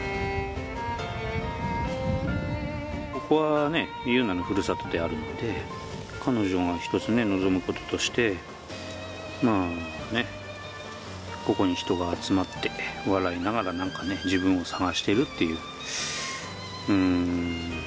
ここはね汐凪のふるさとであるので彼女が一つね望むこととしてここに人が集まって笑いながらなんかね自分を捜してるっていう。